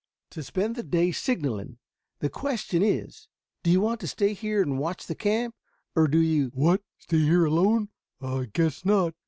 "To spend the day signaling. The question is, do you want to stay here and watch the camp, or do you " "What! Stay here alone? I guess not.